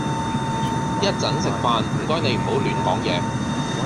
一陣食飯唔該你唔好亂講嘢